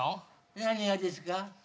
何がですか？